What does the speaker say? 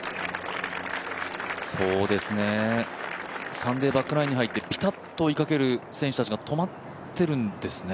サンデーバックナインに入って、ぴたっと追いかける選手たちが止まっているんですね。